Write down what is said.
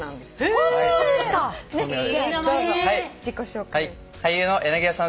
自己紹介を。